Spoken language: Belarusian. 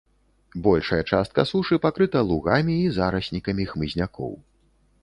Большая частка сушы пакрыта лугамі і зараснікамі хмызнякоў.